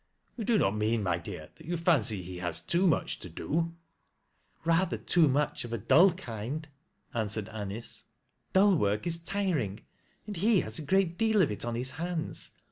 You do not mean, my dear, that you fancy ho has too much to do ?" "Eather too much of a dull kind," answered Anice. " Dull work is tiring, and he has a great deal of it on his hands.